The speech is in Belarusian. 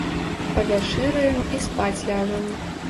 Павячэраем і спаць ляжам.